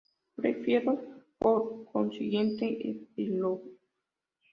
Prefiero por consiguiente un epílogo".